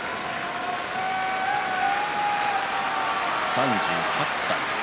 ３８歳。